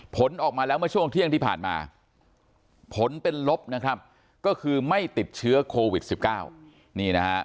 ผลออกมาแล้วเมื่อช่วงเที่ยงที่ผ่านมาผลเป็นลบนะครับก็คือไม่ติดเชื้อโควิด๑๙นี่นะฮะ